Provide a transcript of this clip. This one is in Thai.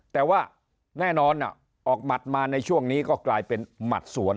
แต่ว่าแน่นอนออกหมัดมาในช่วงนี้ก็กลายเป็นหมัดสวน